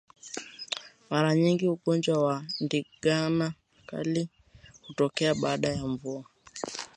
Mara nyingi ugonjwa wa ndigana kali hutokea baada ya mvua